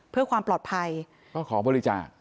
เพื่อความปลอดภัยก็ขอบริจาค